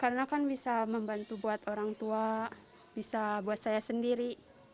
karena kan bisa membantu buat orang tua bisa buat saya sendiri